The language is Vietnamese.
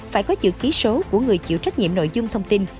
phải có chữ ký số của người chịu trách nhiệm nội dung thông tin